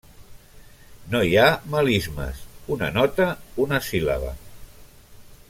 No hi ha melismes: una nota, una síl·laba.